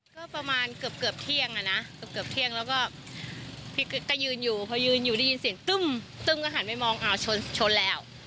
ก็ประมาณเกือบเกือบเที่ยงอ่ะนะเกือบเที่ยงแล้วก็พี่ก็ยืนอยู่พอยืนอยู่ได้ยินเสียงตึ้มตึ้มก็หันไปมองอ้าวชนชนแล้ว